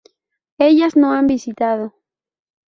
Ellas no han visitado